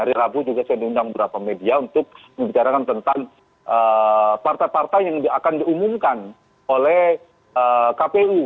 hari rabu juga saya diundang beberapa media untuk membicarakan tentang partai partai yang akan diumumkan oleh kpu